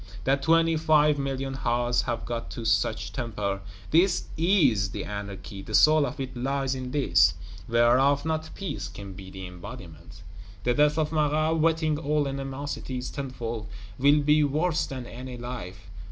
That twenty five million hearts have got to such temper, this is the Anarchy; the soul of it lies in this, whereof not peace can be the embodiment! The death of Marat, whetting old animosities tenfold, will be worse than any life.